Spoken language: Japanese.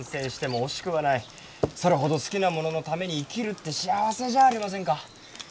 それほど好きなもののために生きるって幸せじゃありませんか。